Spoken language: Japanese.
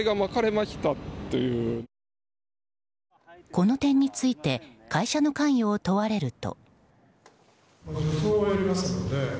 この点について会社の関与を問われると。